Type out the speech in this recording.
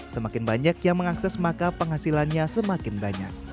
semakin banyak yang mengakses maka penghasilannya semakin banyak